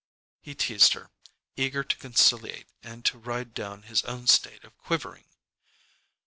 He teased her, eager to conciliate and to ride down his own state of quivering.